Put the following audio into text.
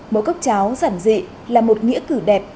mỗi cốc cháo giản dị là một nghĩa cử đẹp